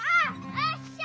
よっしゃ！